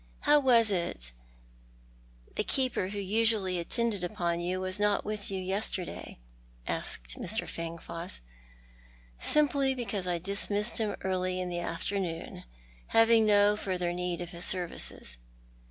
" How was it the keeper who usually attended upon you was not with you yesterday ?" asked I\Ir. Fangfoss. " Simply because I dismissed him early in the afternoon, having no further need of his services."